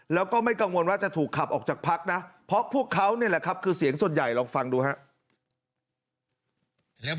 แล้วก็ไม่กังวลว่าจะถูกขับออกจากพักนะเพราะพวกเขานี่แหละครับคือเสียงส่วนใหญ่ลองฟังดูครับ